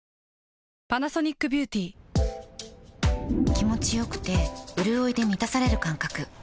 気持ちよくてうるおいで満たされる感覚